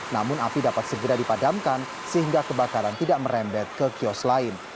namun api dapat segera dipadamkan sehingga kebakaran tidak merembet ke kios lain